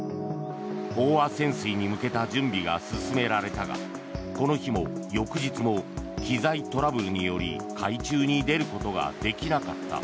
飽和潜水に向けた準備が進められたがこの日も翌日も機材トラブルにより海中に出ることができなかった。